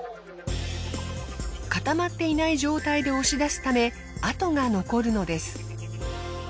固まっていない状態で押し出すため跡が残るのです。